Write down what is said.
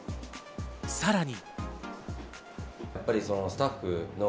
さらに。